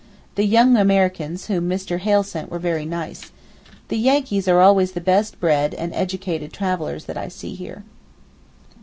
The young Americans whom Mr. Hale sent were very nice. The Yankees are always the best bred and best educated travellers that I see here.